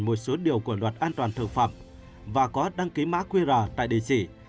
một số điều của luật an toàn thực phẩm và có đăng ký mã qr tại địa chỉ